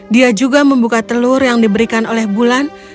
dia juga membuka telur yang diberikan oleh bulan